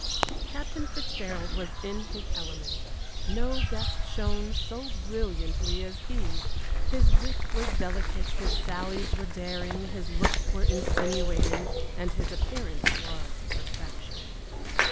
Captain Fitzgerald was in his element. No guest shone so brilliantly as he. His wit was delicate, his sallies were daring, his looks were insinuating, and his appearance was perfection.